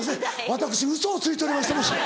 私ウソをついておりました！